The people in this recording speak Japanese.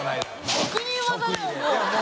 職人技だよもう。